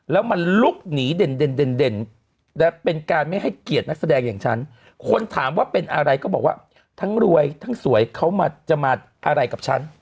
แล้วมันลุกหนีเด่นเป็นการไม่ให้เกียรตินักแสดงอย่างฉันคนถามว่าเป็นอะไรก็บอกว่าทั้งรวยทั้งสวยเขาจะมาอะไรกับฉัน